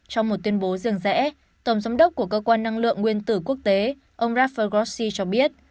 trong một tuyên bố dường dẽ tổng giám đốc của cơ quan năng lượng nguyên tử quốc tế ông rafael grossi cho biết